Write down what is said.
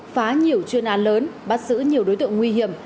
phá nhiều chuyên án lớn bắt giữ nhiều đối tượng nguy hiểm